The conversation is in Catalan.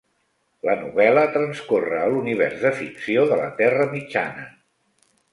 La novel·la transcorre a l'univers de ficció de la Terra Mitjana.